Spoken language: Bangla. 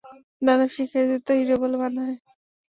দানব শিকারীদের তো হিরো বলে মানা হয়।